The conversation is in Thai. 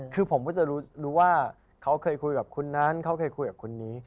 คือผมก็จะรู้ว่าเขาเคยคุยกับคนนั้นเขาเคยคุยกับคนนี้